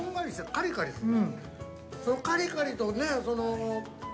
カリカリするね。